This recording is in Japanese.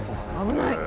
危ない！